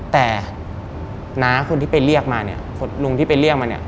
แต่น้าคนที่ไปเรียกมาเนี่ยลุงที่ไปเรียกมาเนี่ย